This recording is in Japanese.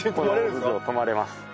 泊まれます。